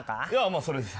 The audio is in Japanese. まあそれです。